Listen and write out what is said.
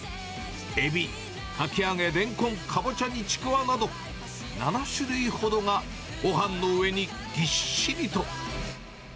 エビ、かき揚げ、レンコン、カボチャにちくわなど、７種類ほどがごはんの上にぎっしりと。